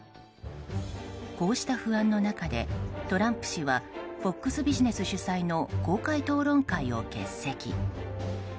こうした不安の中でトランプ氏はフォックス・ビジネス主催の公開討論会を欠席。